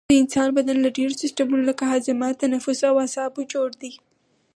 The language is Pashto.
د انسان بدن له ډیرو سیستمونو لکه هاضمه تنفس او اعصابو جوړ دی